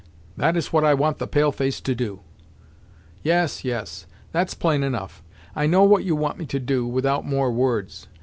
That is what I want the pale face to do." "Yes yes That's plain enough. I know what you want me to do, without more words.